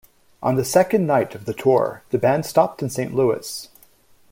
On the second night of the tour, the band stopped in Saint Louis.